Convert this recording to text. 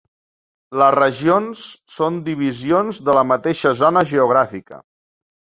Les regions són divisions de la mateixa zona geogràfica.